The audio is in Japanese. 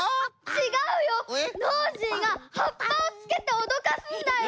ちがうよノージーがはっぱをつけておどかすんだよ。